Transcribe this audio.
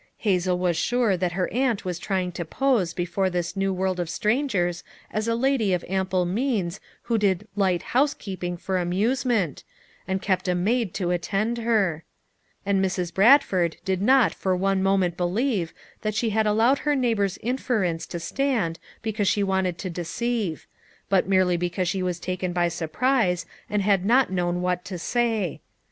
Hazel was sure that her aunt was trying to pose before this new world of strangers as a lady of ample means who did "light housekeeping" for amuse ment, and kept a maid to attend her ; and Mrs. Bradford did not for one moment believe that she had allowed her neighbor's inference to stand because she wanted to deceive ; but merely that" she was taken by surprise and had not known what to say.